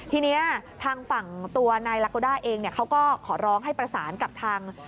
ทีนี้ทางฝั่งตัวนายลาโกด้าเองเขาก็ขอร้องให้ประสานกับทาง